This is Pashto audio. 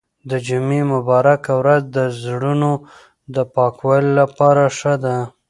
د جمعې مبارکه ورځ د زړونو د پاکوالي لپاره ښه ده.